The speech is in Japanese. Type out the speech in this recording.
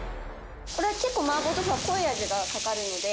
これ結構麻婆豆腐は濃い味がかかるので。